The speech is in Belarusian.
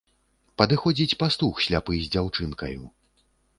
Падыходзіць пастух сляпы з дзяўчынкаю.